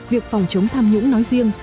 việc phòng chống tham nhũng nói riêng